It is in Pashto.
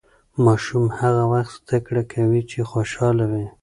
ماشوم هغه وخت زده کړه کوي چې خوشاله وي.